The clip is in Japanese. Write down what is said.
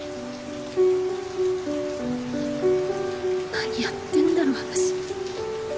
何やってんだろ私。